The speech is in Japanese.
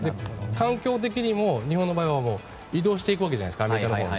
環境的にも日本の場合は移動していくわけじゃないですかアメリカのほうに。